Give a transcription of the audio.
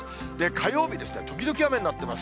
火曜日ですね、時々雨になっています。